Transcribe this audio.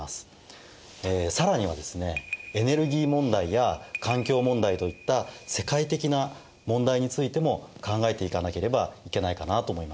更にはですねエネルギー問題や環境問題といった世界的な問題についても考えていかなければいけないかなと思います。